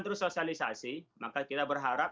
terus sosialisasi maka kita berharap